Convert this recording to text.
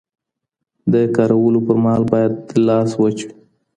د کارولو پر مهال باید لاس وچ وي.